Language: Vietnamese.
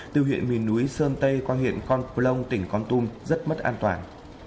từ huyện mình núi sơn tây qua huyện con pô long tỉnh con tum rất mất an toàn